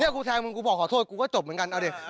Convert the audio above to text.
กูแทงมึงกูบอกขอโทษกูก็จบเหมือนกันเอาดิ